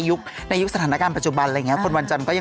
คุณดีหรือจะสู้คนดวงดีค่ะ